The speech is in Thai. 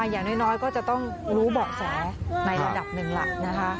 อย่างน้อยก็จะต้องรู้เบาะแสในระดับหนึ่งหลักนะคะ